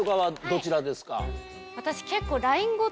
私結構。